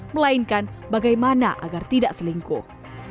melainkan bagaimana agar tidak selingkuh